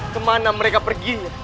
kemana mereka perginya